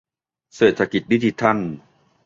เศรษฐกิจดิจิทัล